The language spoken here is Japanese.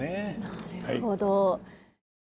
なるほど。